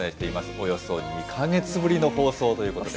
およそ２か月ぶりの放送ということで。